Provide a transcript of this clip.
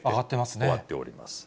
終わっております。